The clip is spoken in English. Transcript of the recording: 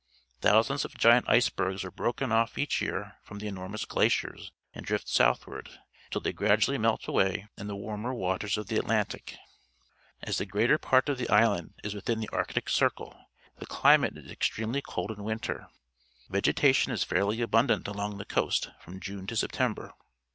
Thousands of giant icebergs are broken off each year from the enormous glaciers and drift southward, until they gradually melt away in the warmer waters of the Atlantic. .\s the greater part of the island is within the Arctic Circle, the cUmate is extremely cold in winter. Vegetation is fairly abundant along the coast from June to September.